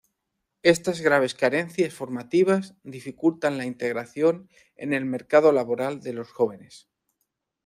Estas graves carencias formativas dificultan la integración en el mercado laboral de los jóvenes.